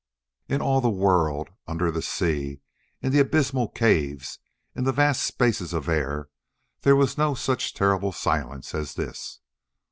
In all the world, under the sea, in the abysmal caves, in the vast spaces of the air, there was no such terrible silence as this.